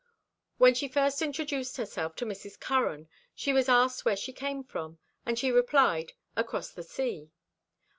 When she first introduced herself to Mrs. Curran, she was asked where she came from, and she replied, "Across the sea."